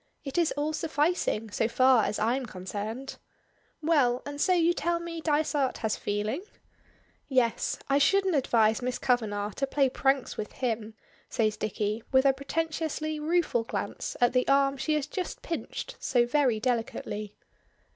It is all sufficing, so far as I'm concerned. Well; and so you tell me Dysart has feeling?" "Yes; I shouldn't advise Miss Kavanagh to play pranks with him," says Dicky, with a pretentiously rueful glance at the arm she has just pinched so very delicately.